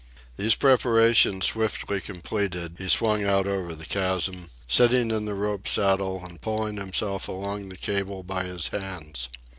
These preparations swiftly completed, he swung out over the chasm, sitting in the rope saddle and pulling himself along the cable by his hands.